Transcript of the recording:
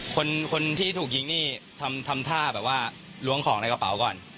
คนที่ถูกยิงนี่ทำท่าแบบว่าล้วงของในกระเป๋าก่อน